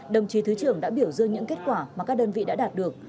đồng chí thứ trưởng đã biểu dương những kết quả mà các đơn vị đã đạt được